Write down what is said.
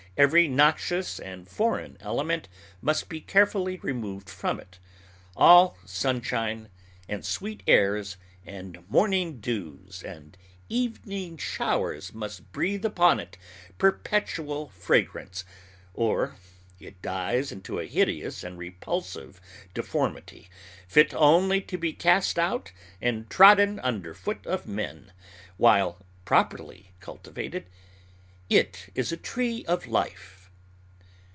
Every noxious and foreign element must be carefully removed from it. All sunshine, and sweet airs, and morning dews, and evening showers must breathe upon it perpetual fragrance, or it dies into a hideous and repulsive deformity, fit only to be cast out and trodden under foot of men, while, properly cultivated, it is a Tree of Life.